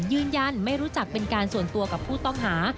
ยืนยันไม่รู้จักเป็นการส่วนตัวกับผู้ต้องหา